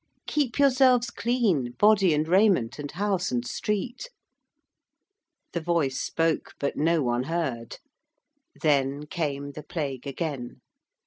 Keep yourselves clean body and raiment, and house and street.' The voice spoke, but no one heard. Then came the Plague again.